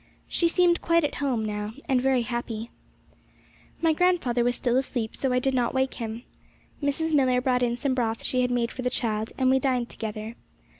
She seemed quite at home now and very happy. My grandfather was still asleep, so I did not wake him. Mrs. Millar brought in some broth she had made for the child, and we dined together.